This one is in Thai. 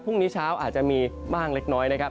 พรุ่งนี้เช้าอาจจะมีบ้างเล็กน้อยนะครับ